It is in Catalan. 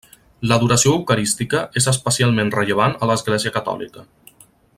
L'adoració eucarística és especialment rellevant a l'església catòlica.